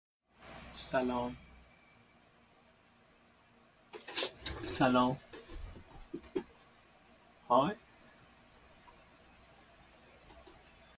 After completing eighth grade, Thurman attended the Florida Baptist Academy in Jacksonville.